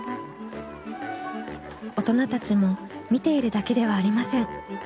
大人たちも見ているだけではありません。